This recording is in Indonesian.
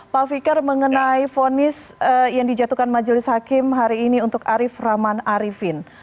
pak fikar mengenai fonis yang dijatuhkan majelis hakim hari ini untuk arief rahman arifin